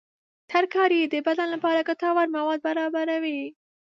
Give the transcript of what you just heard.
ترکاري د بدن لپاره ګټور مواد برابروي.